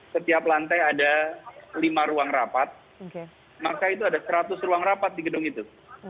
setiap lantai ada lima ruang rapat maka itu ada seratus ruang rapat di gedung itu